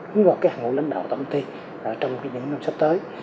hướng dẫn vào cái hạng ngũ lãnh đạo tổng thị trong những năm sắp tới